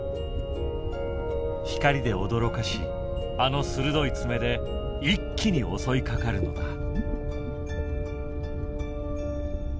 光で驚かしあの鋭い爪で一気に襲いかかるのだ。